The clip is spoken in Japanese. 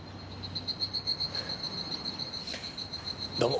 どうも。